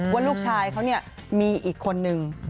ว่าลูกชายเขาเนี่ยมีอีกคนนึง